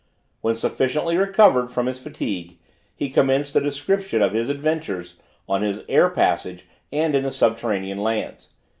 When sufficiently recovered from his fatigue, he commenced a description of his adventures on his air passage and in the subterranean lands.